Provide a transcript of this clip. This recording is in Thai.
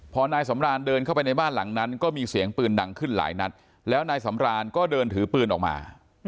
พอนายสำรานเดินเข้าไปในบ้านหลังนั้นก็มีเสียงปืนดังขึ้นหลายนัดแล้วนายสำรานก็เดินถือปืนออกมา